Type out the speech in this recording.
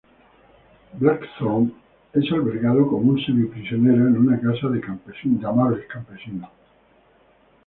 Blackthorne es albergado como un semi-prisionero en una casa de campesinos amables.